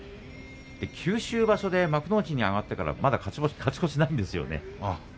九州場所で幕内に上がってからまだ勝ち越しがないんですよね。